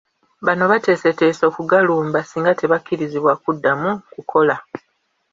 Bano bateeseteese okugalumba singa tebakkirizibwa kuddamu kukola.